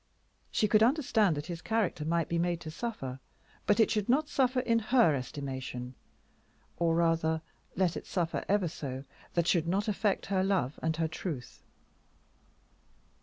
She could understand that his character might be made to suffer, but it should not suffer in her estimation. Or rather, let it suffer ever so, that should not affect her love and her truth.